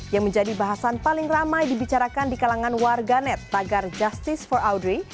yang menjadi bahasan paling ramai dibicarakan di kalangan warganet tagar justice for audrey